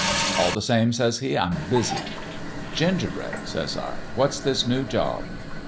" All the same,' says he, ' I'm busy.' "' Gingerbread,' says I, 'what's this new job?'